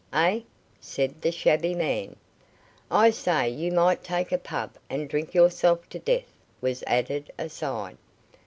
"Eh?" said the shabby man. "I say you might take a pub and drink yourself to death," was added aside.